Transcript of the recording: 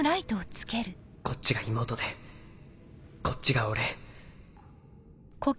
こっちが妹でこっちが俺。